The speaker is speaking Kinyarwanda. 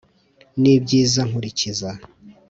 n'ibyiza nkurikiza